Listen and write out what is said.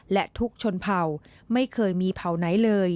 และทุกชนเผ่าไม่เคยมีเผ่าไหนเลย